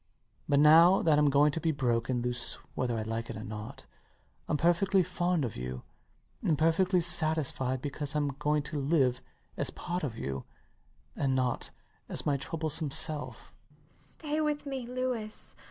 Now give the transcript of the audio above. But now that I'm going to be broken loose whether I like it or not, I'm perfectly fond of you, and perfectly satisfied because I'm going to live as part of you and not as my troublesome self. MRS DUBEDAT [heartbroken] Stay with me, Louis.